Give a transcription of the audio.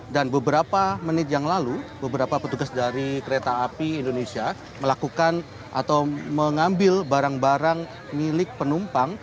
dan beberapa menit yang lalu beberapa petugas dari kereta api indonesia melakukan atau mengambil barang barang milik penumpang